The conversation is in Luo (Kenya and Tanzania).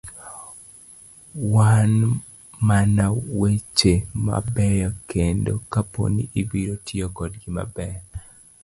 Wan mana weche mabeyo kende kaponi ibiro tiyo kodgi maber.